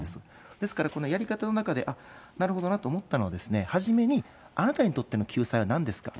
ですから、このやり方の中で、あっ、なるほどなと思ったのは、初めに、あなたにとっての救済はなんですかと。